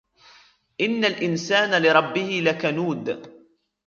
إِنَّ الْإِنْسَانَ لِرَبِّهِ لَكَنُودٌ